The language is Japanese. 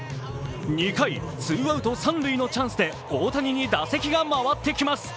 ２回、ツーアウト三塁のチャンスで大谷に打席が回ってきます。